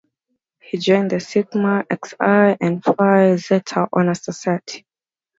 He joined the Sigma Xi and Phi Zeta honor society.